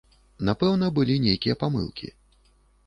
Напэўна, былі нейкія памылкі.